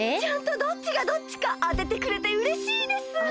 ちゃんとどっちがどっちかあててくれてうれしいです！